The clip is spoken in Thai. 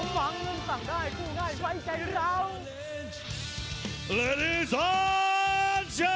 ผมหวังนึงสั่งได้คู่ง่ายไว้ใจเรา